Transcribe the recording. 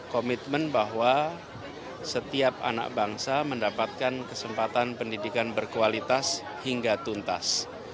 komitmen bahwa setiap anak bangsa mendapatkan kesempatan pendidikan berkualitas hingga tuntas